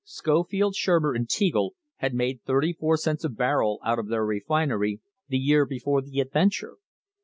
Scofield, Shur mer and Teagle had made thirty four cents a barrel out of their refinery the year before the "adventure."